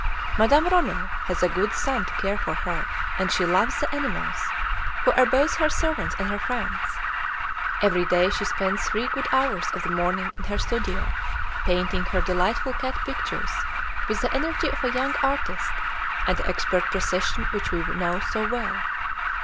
Madame Ronner has a good son to care for her, and she loves the animals, who are both her servants and her friends. Every day she spends three good hours of the morning in her studio, painting her delightful cat pictures with the energy of a young artist and the expert precision which we know so well.